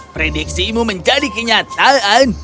prediksimu menjadi kenyataan